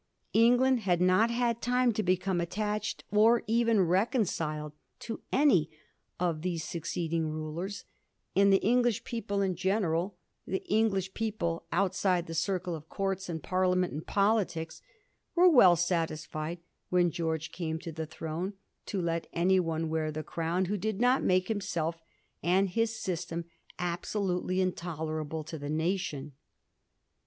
England had not had time to become attached, or even Digiti zed by Google 80 A HISTORY OF THE FOUR GEORGES. ch. it. reconciled, to any of these succeeding rulers, and the English people in general — the English people out side the circle of courts and parliament and politics — were well satisfied when Greorge came to the throne to let anyone wear the crown who did not make him self and his system absolutely intolerable to the nation.